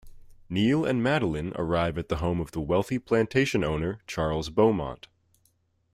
Neil and Madeleine arrive at the home of the wealthy plantation owner, Charles Beaumont.